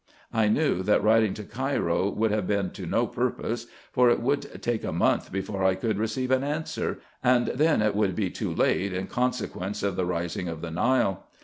I knew, that writing to Cairo would have been to no purpose, for it would take a month before I could receive an answer, and then it would be too late, in consequence of the rising of the Nile.